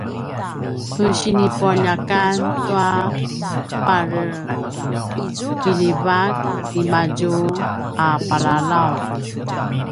tu sinipukeljang tua parekiljivak niamadju a palalaut